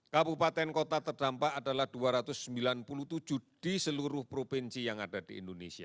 kabupaten kota terdampak adalah dua ratus sembilan puluh tujuh di seluruh provinsi yang ada di indonesia